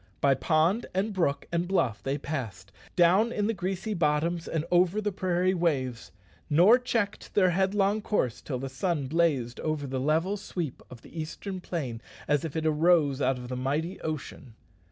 By pond, and brook, and bluff they passed, down in the grassy bottoms and over the prairie waves nor checked their headlong course till the sun blazed over the level sweep of the eastern plain as if it arose out of the mighty ocean.